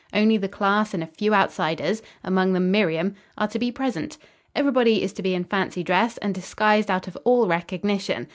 Only the class and a few outsiders, among them Miriam, are to be present. Everybody is to be in fancy dress, and disguised out of all recognition.